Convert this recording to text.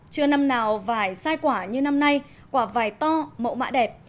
chưa năm nào vải sai quả như năm nay quả vải to mộ mạ đẹp